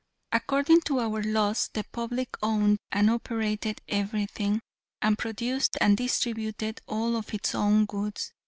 "According to our laws the public owned and operated everything, and produced and distributed all of its own goods.